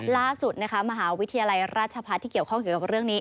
ล่าสุดนะคะมหาวิทยาลัยราชพัฒน์ที่เกี่ยวข้องเกี่ยวกับเรื่องนี้